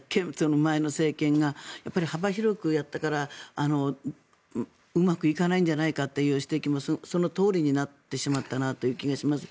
前の政権が幅広くやったからうまくいかないんじゃないかという指摘もそのとおりになってしまったなという気がします。